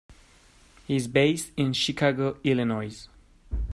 He is based in Chicago, Illinois.